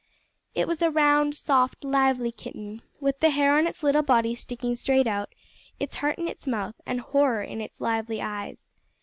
It was a round, soft, lively kitten, with the hair on its little body sticking straight out, its heart in its mouth, and horror in its lovely eyes.